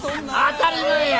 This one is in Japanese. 当たり前や！